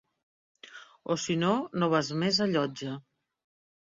O si no no vas més a Llotja.